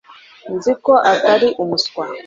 nzi ko utari umuswa